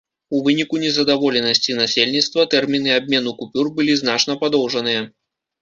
У выніку незадаволенасці насельніцтва тэрміны абмену купюр былі значна падоўжаныя.